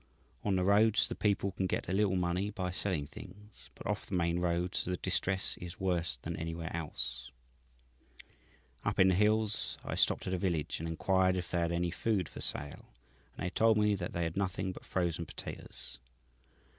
On the roads the people can get a little money by selling things, but off the main roads the distress is worse than anywhere else. "Up in the hills I stopped at a village and inquired if they had any food for sale, and they told me that they had nothing but frozen potatoes.